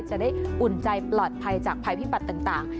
อุ่นใจปลอดภัยจากภัยพิบัติต่าง